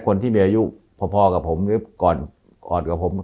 คนที่มีอายุพอกับผมก่อน